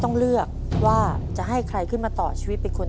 ตัวเลือกที่๔ขึ้น๘ค่ำเดือน๗